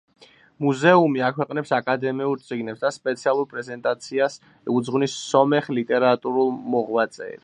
მუზეუმი აქვეყნებს აკადემიურ წიგნებს და სპეციალურ პრეზენტაციას უძღვნის სომეხ ლიტერატურულ მოღვაწეებს.